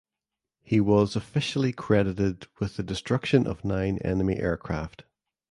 He was officially credited with the destruction of nine enemy aircraft.